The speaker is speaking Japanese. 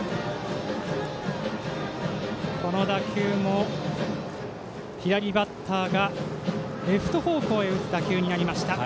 この打球も、左バッターがレフト方向へ打つ打球になりました。